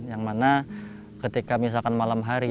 yang mana ketika misalkan malam hari